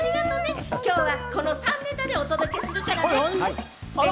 今日はこの３ネタでお届けするからね。